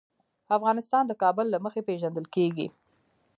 افغانستان د کابل له مخې پېژندل کېږي.